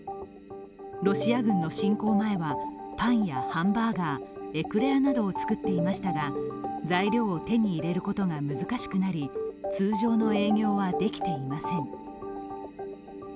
ロシア軍の侵攻前はパンやハンバーガーエクレアなどを作っていましたが材料を手に入れることが難しくなり、通常の営業はできていません。